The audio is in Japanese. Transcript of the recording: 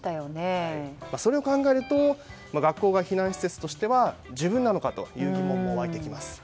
それを考えると学校が避難施設としては十分なのかという疑問も湧いてきます。